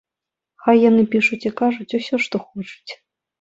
Хай яны пішуць і кажуць усё, што хочуць.